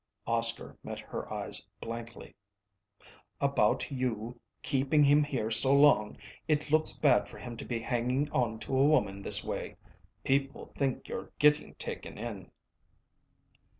Oscar met her eyes blankly. "About you, keeping him here so long. It looks bad for him to be hanging on to a woman this way. People think you're getting taken in."